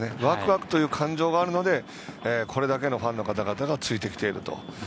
ワクワクという感情があるのでこれだけのファンの方々がついてきていると。